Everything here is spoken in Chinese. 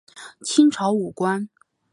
清朝武官。